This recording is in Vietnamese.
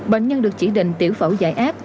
bệnh nhân được chỉ định tiểu phẫu giải áp